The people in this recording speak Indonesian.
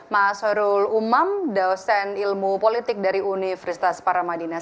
mas horul umam dosen ilmu politik dari universitas paramadina